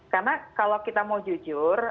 karena kalau kita mau jujur